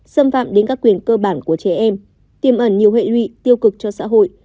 xâm phạm đến các quyền cơ bản của trẻ em tiêm ẩn nhiều hệ lụy tiêu cực cho xã hội